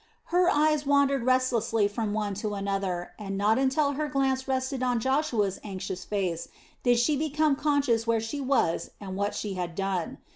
Her eyes wandered restlessly from one to another, and not until her glance rested on Joshua's anxious face did she become conscious where she was and what she had done.